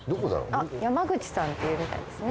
あっ山口さんっていうみたいですね。